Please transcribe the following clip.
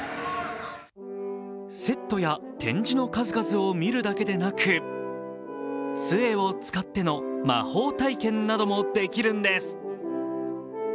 セットや展示の数々を見るだけでなくつえを使っての魔法体験などもできるんです。